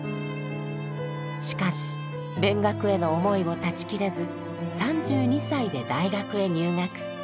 しかし勉学への思いを断ち切れず３２歳で大学へ入学。